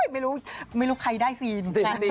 ไม่รู้ใครได้ซีล